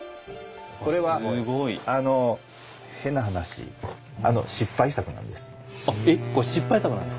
これは変な話失敗作なんです。